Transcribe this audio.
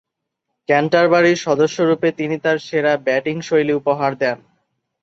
ক্যান্টারবারির সদস্যরূপে তিনি তার সেরা ব্যাটিংশৈলী উপহার দেন।